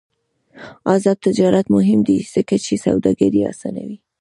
آزاد تجارت مهم دی ځکه چې سوداګري اسانوي.